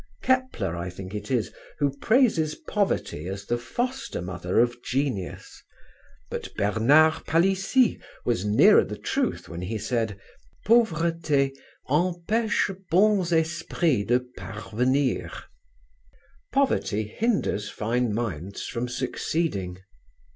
Kepler, I think, it is who praises poverty as the foster mother of genius; but Bernard Palissy was nearer the truth when he said: Pauvreté empêche bons esprits de parvenir (poverty hinders fine minds from succeeding).